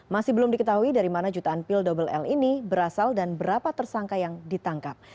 masih belum diketahui dari mana jutaan pil double l ini berasal dan berapa tersangka yang ditangkap